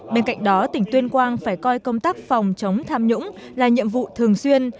bên cạnh đó tỉnh tuyên quang phải coi công tác phòng chống tham nhũng là nhiệm vụ thường xuyên